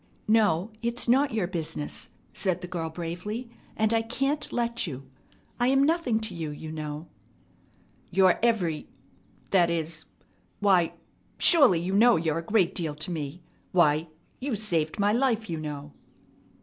"No, it's not your business," said the girl bravely, "and I can't let you. I'm nothing to you, you know." "You're every that is why, you surely know you're a great deal to me. Why, you saved my life, you know!"